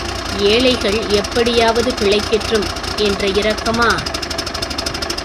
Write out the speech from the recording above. ஏழைகள் எப்படியாவது பிழைக்கட்டும் என்ற இரக்கமா?